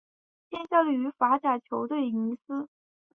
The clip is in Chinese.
现效力于法甲球队尼斯。